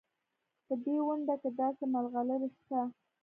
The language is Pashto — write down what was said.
په دې ونډه کې داسې ملغلرې شته.